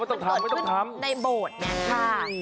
ไม่ต้องทำ